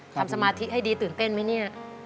สมาธิให้ดีตื่นเต้นไหมเนี่ย